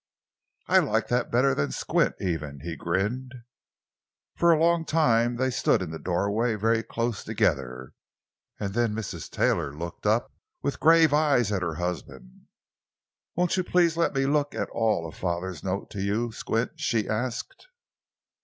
"I like that better than 'Squint' even," he grinned. For a long time they stood in the doorway very close together. And then Mrs. Taylor looked up with grave eyes at her husband. "Won't you please let me look at all of father's note to you, Squint?" she asked.